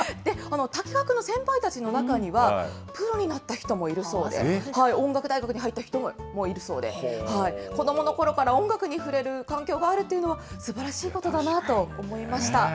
滝川君の先輩たちの中には、プロになった人もいるそうで、音楽大学に入った人もいるそうで、子どものころから音楽にふれる環境があるというのは、すばらしいことだなと思いました。